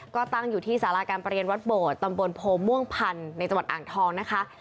ก็ตั้งอยู่ที่สาราการประเรียนวัดโบดตำบลโพม่วงพันธุ์ในจังหวัดอ่างทองนะคะ